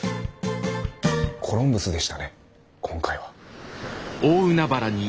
コロンブスでしたね今回は。